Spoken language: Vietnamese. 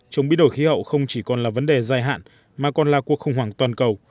chống biến đổi khí hậu không chỉ còn là vấn đề dài hạn mà còn là cuộc khủng hoảng toàn cầu